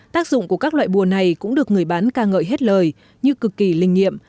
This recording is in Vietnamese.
tác dụng của các loại bùa này cũng được người bán ca ngợi hết lời như cực kỳ linh nghiệm